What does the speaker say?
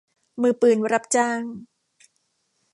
มือปืนรับจ้าง